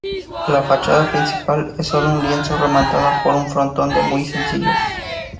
La fachada principal es un solo lienzo rematado por un frontón de muy sencillo.